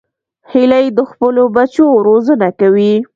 هیلۍ د خپلو بچو روزنه کوي